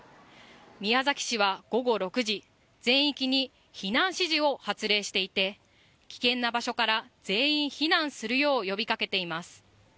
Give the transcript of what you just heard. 宮崎市は午後６時、全域に避難指示を発令していて、危険な場所から全員避難するよう呼びかけています。